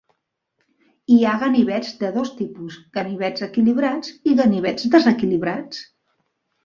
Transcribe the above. Hi ha ganivets de dos tipus, ganivets equilibrats i ganivets desequilibrats.